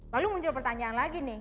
lalu muncul pertanyaan lagi nih